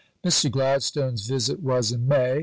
Mr. Gladstone's visit was in May.